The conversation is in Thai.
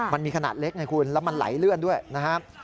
มันมีขนาดเล็กไงคุณแล้วมันไหลเลื่อนด้วยนะครับ